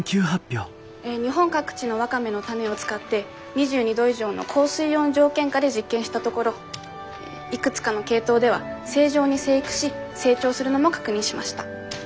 日本各地のワカメの種を使って２２度以上の高水温条件下で実験したところいくつかの系統では正常に生育し成長するのも確認しました。